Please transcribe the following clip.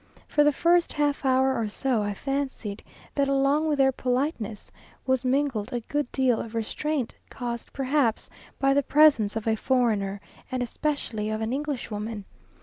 For the first half hour or so, I fancied, that along with their politeness, was mingled a good deal of restraint, caused perhaps by the presence of a foreigner, and especially of an Englishwoman.